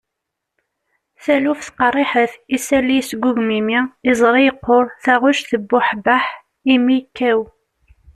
taluft qerriḥet, isalli yesgugum imi, iẓri yeqquṛ, taɣect tebbuḥbeḥ, imi yekkaw